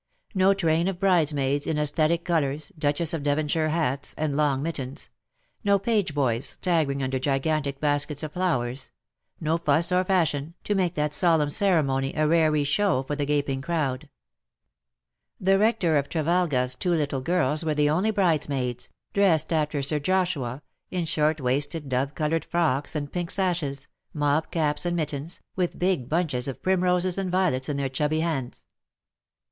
No train o£ bridesmaids in sesthetic colours, Duchess of Devonshire hats, and long mittens — no page boys, staggering under gigantic baskets of flowers — no fuss or fashion, ta make that solemn ceremony a raree show for the gaping crowd. The Rector of Trevalga's two little girls were the only bridesmaids — dressed after Sir Joshua, in short waisted dove coloured frocks and pink sashes, mob caps and mittens, with big bunches of primroses and violets in their chubby hands.